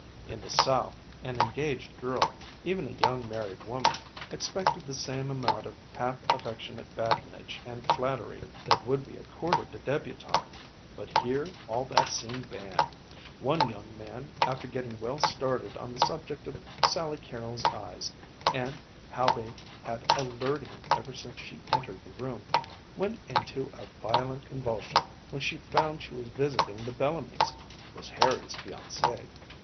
In the South an engaged girl, even a young married woman, expected the same amount of half affectionate badinage and flattery that would be accorded a débutante, but here all that seemed banned. One young man after getting well started on the subject of Sally Carrol's eyes and, how they had allured him ever since she entered the room, went into a violent convulsion when he found she was visiting the Bellamys was Harry's fiancée.